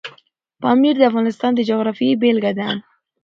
پامیر د افغانستان د جغرافیې بېلګه ده.